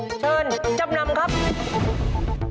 ถ้าพอใจกับราคานี้นะ๓๗๐๐บาทนะครับ